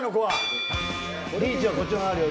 リーチはこっちの方があるよ